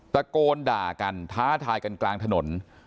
ตะโกนด่ากันท้าทายกันกลางถนน